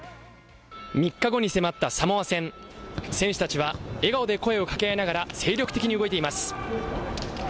３日後に迫ったサモア戦、選手たちは笑顔で声をかけ合いながら、精力的に動いています。